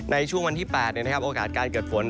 ในช่วงวันที่๘โอกาสการเกิดฝน